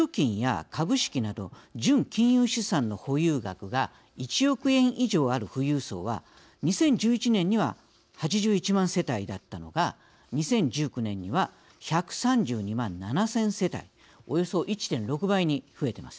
野村総研の推計では預貯金や株式など純金融資産の保有額が１億円以上ある富裕層は２０１１年には８１万世帯だったのが２０１９年には１３２万７０００世帯およそ１．６倍に増えています。